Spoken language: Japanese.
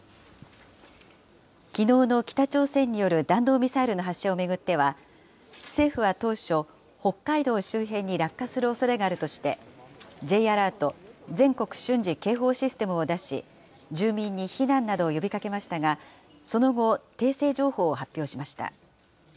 きのうの北朝鮮による弾道ミサイルの発射を巡っては、政府は当初、北海道周辺に落下するおそれがあるとして、Ｊアラート・全国瞬時警報システムを出し、住民に避難などを呼びかけましたが、その後、訂正情報を発表しました。